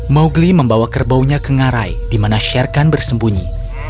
mowgli membawa kerbaunya ke ngarai dimana sherkan bersembunyi